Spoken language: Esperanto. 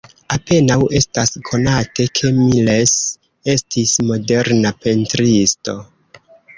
Apenaŭ estas konate, ke Miles estis moderna pentristo.